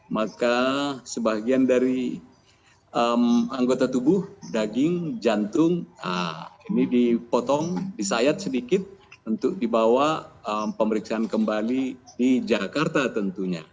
maka sebagian dari anggota tubuh daging jantung ini dipotong disayat sedikit untuk dibawa pemeriksaan kembali di jakarta tentunya